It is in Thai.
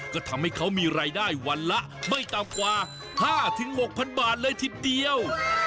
ก็ทำให้เขามีรายได้วันละไม่ต่ำกว่า๕๖๐๐บาทเลยทีเดียว